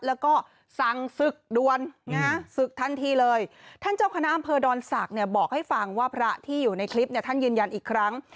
แล้วก็สั่งศึกดวนนะฮะศึกทันทีเลยท่านเจ้าคณะอำเภอดอนศักดิ์เนี่ยบอกให้ฟังว่าพระที่อยู่ในคลิปเนี่ยท่านยืนยันอีกครั้ง